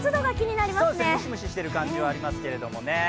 ムシムシしている感じはありますけどね。